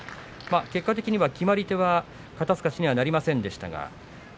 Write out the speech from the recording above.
結果的には決まり手は肩すかしにはなりませんでした。